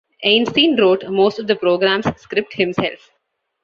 Einstein wrote most of the program's scripts himself.